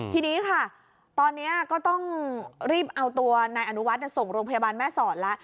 ทีนี้ค่ะตอนนี้ก็ต้องรีบเอาตัวนายอนุวัฒน์ส่งโรงพยาบาลแม่สอดแล้ว